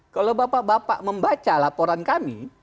kalau bapak bapak membaca laporan kami